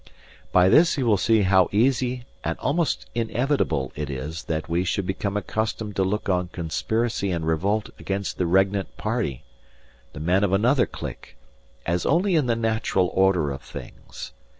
By this you will see how easy and almost inevitable it is that we should become accustomed to look on conspiracy and revolt against the regnant party the men of another clique as only in the natural order of things.